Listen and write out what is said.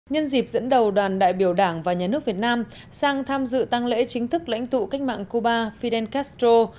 nhân dịp dẫn đầu đoàn đại biểu đảng và nhà nước việt nam sang tham dự tăng lễ chính thức lãnh tụ cách mạng cuba fidel castro